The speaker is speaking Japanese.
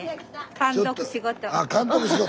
あ監督仕事。